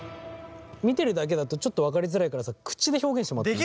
見てるだけだとちょっと分かりづらいからさ口で表現してもらっていい？